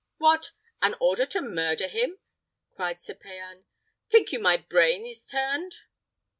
"What! an order to murder him!" cried Sir Payan. "Think you my brain is turned?"